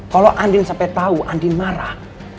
kalau andin sampe tau andin marah